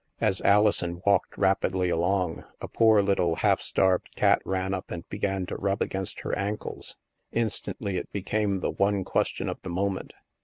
As Alison walked rapidly along, a poor little half starved cat ran up and began to rub against her ankles. Instantly, it became the one question of the moment.